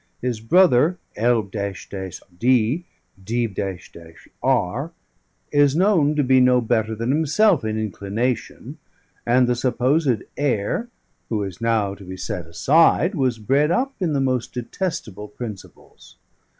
His Brother, L d D r, is known to be no better than himself in Inclination; and the supposed Heir, who is now to be set aside, was bred up in the most detestable Principles.